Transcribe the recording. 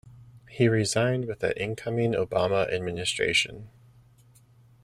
He resigned with the incoming Obama administration.